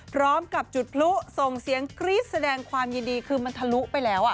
พร้อมกับจุดพลุส่งเสียงกรี๊ดแสดงความยินดีคือมันทะลุไปแล้ว